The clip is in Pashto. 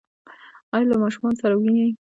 ایا له ماشومانو سره وینئ؟